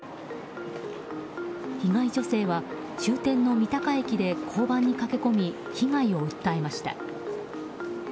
被害女性は、終点の三鷹駅で交番に駆け込み被害を訴えました。